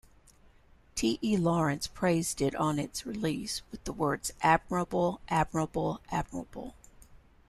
T. E. Lawrence praised it on its release with the words Admirable, admirable, admirable.